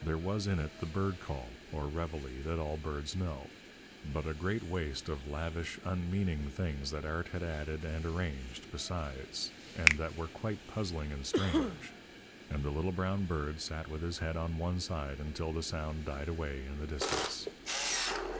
There was in it the bird call, or reveille, that all birds know; but a great waste of lavish, unmeaning things that art had added and arranged, besides, and that were quite puzzling and strange; and the little brown bird sat with his head on one side until the sound died away in the distance.